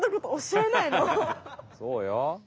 そうよ。